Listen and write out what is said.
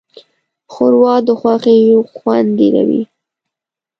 ښوروا د غوښې خوند ډېروي.